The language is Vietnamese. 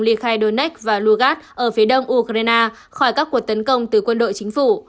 liệt khai donetsk và lugansk ở phía đông ukraine khỏi các cuộc tấn công từ quân đội chính phủ